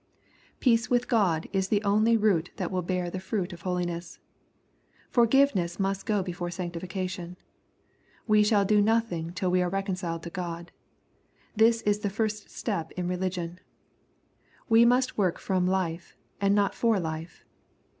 Peace with God is the only root that will bear the fruit of holiness. Forgiveness must go before sanctification. We shall do nothing till we are reconciled to God. This is the first step in religion. We must work from life, and not for life.